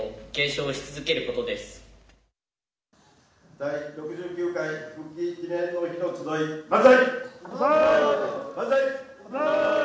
第６９回復帰記念の日のつどい万歳。